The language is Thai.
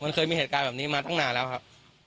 มันเคยมีเหตุการณ์แบบนี้มาตั้งนานแล้วครับ